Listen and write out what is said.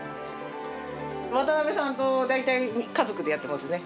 渡辺さんと大体家族でやってますね。